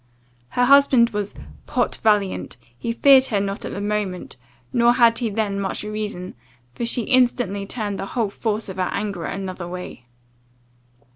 Her husband was 'pot valiant,' he feared her not at the moment, nor had he then much reason, for she instantly turned the whole force of her anger another way.